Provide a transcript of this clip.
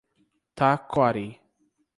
Taquari